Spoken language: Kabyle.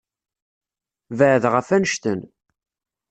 Beɛɛed ɣef annect-en.